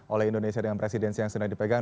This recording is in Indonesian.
oleh indonesia dengan presidensi yang sudah dipegang